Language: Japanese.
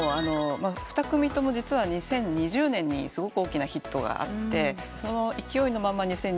２組とも実は２０２０年にすごく大きなヒットがあってその勢いのまま